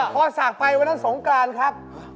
พอสากไปวันนั้นสงกรานครับ